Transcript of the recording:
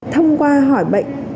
thông qua hỏi bệnh